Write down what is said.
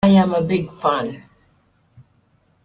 I'm a big fan!.